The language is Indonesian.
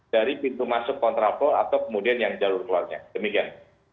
dari pintu masuk kontraflow atau kemudian yang jalur keluarnya demikian